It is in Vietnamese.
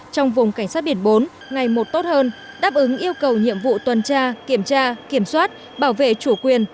trong vùng cảnh sát biển bốn ngày một tốt hơn đáp ứng yêu cầu nhiệm vụ tuần tra kiểm tra kiểm soát bảo vệ chủ quyền